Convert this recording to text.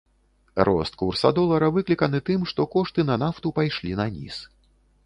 Рост курса долара выкліканы тым, што кошты на нафту пайшлі наніз.